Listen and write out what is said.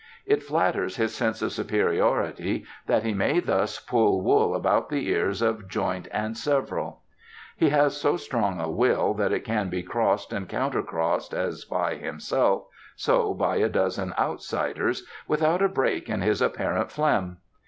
It flatters his sense of superiority that he may thus pull wool about the ears of joint and several. He has so strong a will that it can be crossed and counter crossed, as by himself, so by a dozen outsiders, without a break in his apparent phlegm.